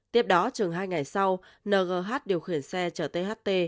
tiếp đó chừng hai ngày sau ngh điều khiển xe chở tht